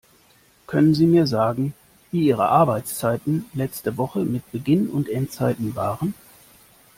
Können Sie mir sagen, wie Ihre Arbeitszeiten letzte Woche mit Beginn und Endzeiten waren?